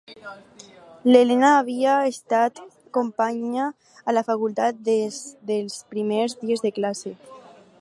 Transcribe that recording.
L'Elena havia estat companya a la Facultat des dels primers dies de classe.